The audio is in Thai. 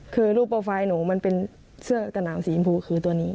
คือรูปโปรไฟล์หนูมันเป็นเสื้อสนามสีชมพูคือตัวนี้